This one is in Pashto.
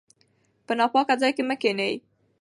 په ناپاکه ځای کې مه کښینئ.